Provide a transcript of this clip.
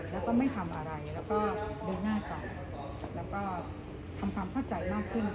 แล้วก็ไม่ทำอะไรแล้วก็เดินหน้าต่อแล้วก็ทำความเข้าใจมากขึ้น